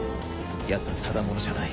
ヤツはただ者じゃない。